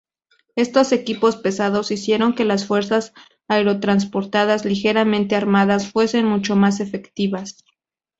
Estos equipos pesados hicieron que las fuerzas aerotransportadas ligeramente armadas fuesen mucho más efectivas.